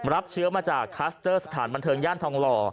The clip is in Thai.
รับเชื้อมาจากคลัสเตอร์สถานบันเทิงย่านทองหล่อ